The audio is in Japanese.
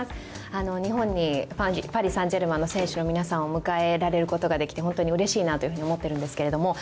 日本にパリ・サン＝ジェルマンの選手の皆さんを迎えられることができて本当にうれしいなと思ってるんですけれども。